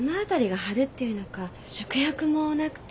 食欲もなくて。